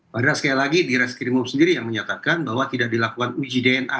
padahal sekali lagi di reskrimum sendiri yang menyatakan bahwa tidak dilakukan uji dna